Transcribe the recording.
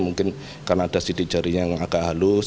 mungkin karena ada sidik jarinya yang agak halus